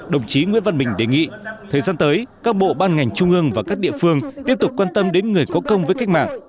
đồng chí nguyễn văn bình đề nghị thời gian tới các bộ ban ngành trung ương và các địa phương tiếp tục quan tâm đến người có công với cách mạng